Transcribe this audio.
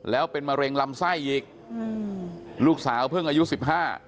แล้วเป็นมะเร็งลำไส้อีกอืมลูกสาวเพิ่งอายุสิบห้า